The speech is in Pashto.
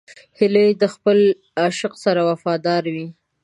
هیلۍ د خپل عاشق سره وفاداره وي